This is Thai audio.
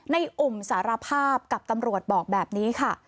อุ่มสารภาพกับตำรวจบอกแบบนี้ค่ะ